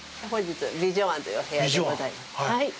美丈庵というお部屋でございます。